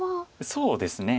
そうですね。